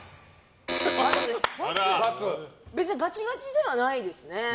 別にガチガチではないですね。